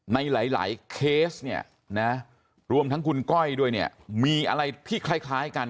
ในหลายเคสรวมทั้งคุณก้อยด้วยมีอะไรที่คล้ายกัน